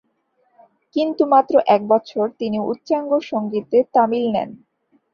কিন্তু মাত্র এক বছর তিনি উচ্চাঙ্গ সংগীতে তামিল নেন।